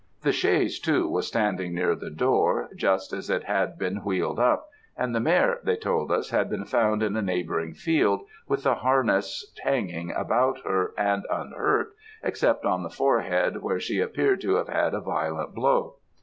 The chaise, too, was standing near the door, just as it had been wheeled up, and the mare, they told us, had been found in a neighbouring field, with the harness hanging about her, and unhurt, except on the forehead, where she appeared to have had a violent blow.